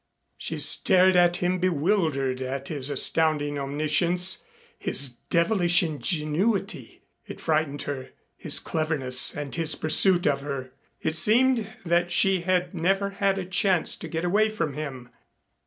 She stared at him bewildered at his astounding omniscience, his devilish ingenuity. It frightened her, his cleverness and his pursuit of her. It seemed that she had never had a chance to get away from him.